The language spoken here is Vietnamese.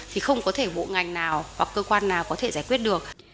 thì không có thể bộ ngành nào hoặc cơ quan nào có thể giải quyết được